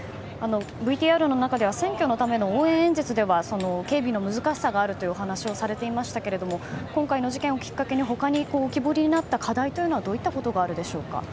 ＶＴＲの中で選挙のための応援演説では警備の難しさがあるというお話をされていましたが今回の事件をきっかけに他に浮き彫りになった課題というのはどういったことがあるでしょうか？